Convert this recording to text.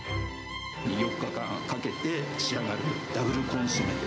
４日間かけて仕上がるダブルコンソメ。